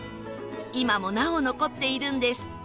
今もなお残っているんです